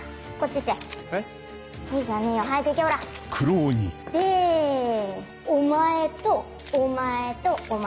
でお前とお前とお前。